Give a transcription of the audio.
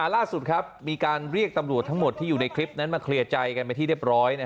ล่าสุดมีการเรียกตำรวจทั้งหมดที่อยู่ในคลิปนั้นมาเคลียร์ใจกันเป็นที่เรียบร้อย